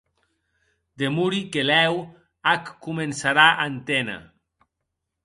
Demori que lèu ac començarà a enténer.